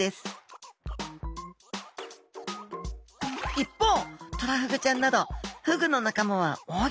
一方トラフグちゃんなどフグの仲間は扇形。